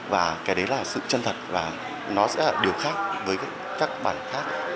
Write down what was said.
và cái đấy là sự chân thật và nó sẽ là điều khác với các bản khác